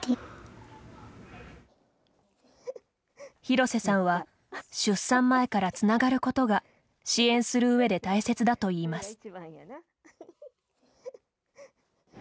廣瀬さんは出産前からつながることが支援するうえで大切だといいます。